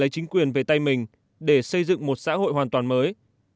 để lấy chính quyền về tay mình để xây dựng một xã hội hoàn toàn mới